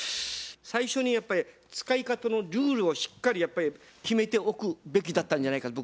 最初にやっぱり使い方のルールをしっかりやっぱり決めておくべきだったんじゃないかと僕は思いますよ。